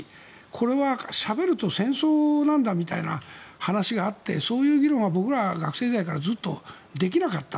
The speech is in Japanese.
これは、しゃべると戦争なんだみたいな話があってそういう議論は僕らは学生時代からずっとできなかった。